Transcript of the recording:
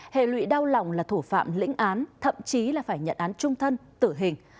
hệ lụy đau lòng là thủ phạm lĩnh án thậm chí là phải nhận án trung thân tử hình